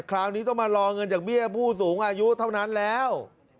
คราวนี้ต้องมารอเงินจากเบี้ยผู้สูงอายุเท่านั้นแล้ว